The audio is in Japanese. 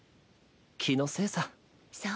気のせいさ。